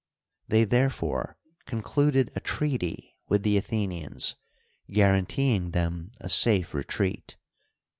They . therefore concluded a treaty with the Athenians, guaran teeing them a safe retreat.